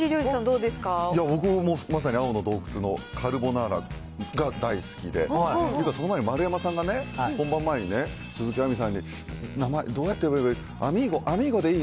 いや僕もまさに青の洞窟のカルボナーラが大好きで、その前に丸山さんがね、本番前にね、鈴木亜美さんに名前どうやって呼べばいい？